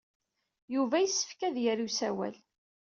Yuba yessefk ad yerr i usawal.